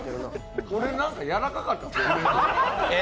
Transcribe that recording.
これなんかやわらかかった？